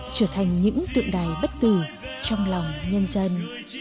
trở thành những tượng đài bất tử trong lòng nhân dân